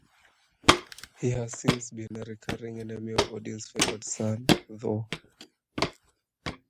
He has since been a recurring enemy of Odin's favored son, Thor.